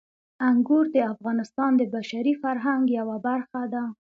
انګور د افغانستان د بشري فرهنګ یوه برخه ده.